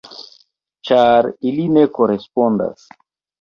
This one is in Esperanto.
Ĉar ili ne korespondas.